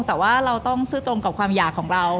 แต่ว่าเราต้องซื่อตรงกับความอยากของเรา